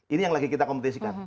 ini yang lagi kita kompetisikan